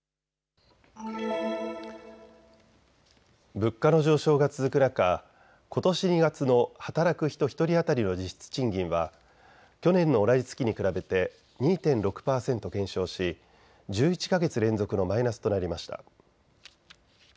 物価の上昇が続く中、ことし２月の働く人１人当たりの実質賃金は去年の同じ月に比べて２．６％減少し１１か月連続のマイナスとなりました。